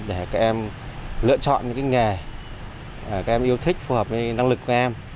để các em lựa chọn những nghề các em yêu thích phù hợp với năng lực của em